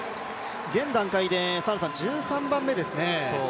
現段階で１３番目ですね。